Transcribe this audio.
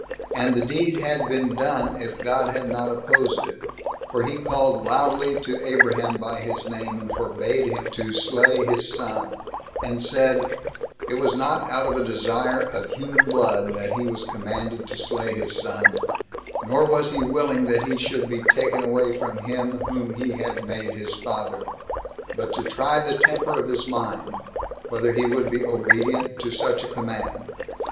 And the deed had been done if God had not opposed it; for he called loudly to Abraham by his name, and forbade him to slay his son; and said, "It was not out of a desire of human blood that he was commanded to slay his son, nor was he willing that he should be taken away from him whom he had made his father, but to try the temper of his mind, whether he would be obedient to such a command.